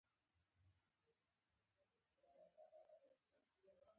د کورونو بازار له ستونزو سره مخ دی.